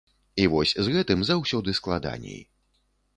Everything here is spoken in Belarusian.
І вось з гэтым заўсёды складаней.